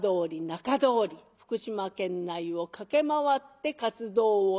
中通り福島県内を駆け回って活動をした。